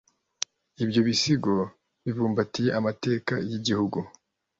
bityo Ibisigo bibumbatiye amateka y’igihugu